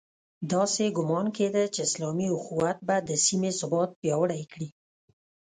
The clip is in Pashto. داسې ګومان کېده چې اسلامي اُخوت به د سیمې ثبات پیاوړی کړي.